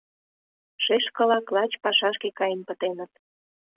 Шешкылак лач пашашке каен пытеныт.